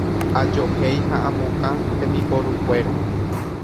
Ajohéi ha amokã tembiporukuéra.